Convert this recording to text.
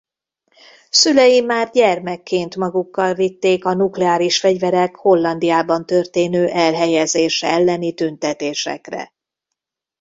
Szülei már gyermekként magukkal vitték a nukleáris fegyverek Hollandiában történő elhelyezése elleni tüntetésekre.